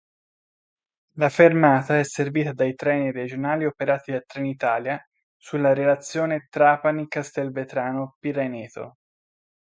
La fermata è servita dai treni regionali operati da Trenitalia sulla relazione Trapani-Castelvetrano-Piraineto.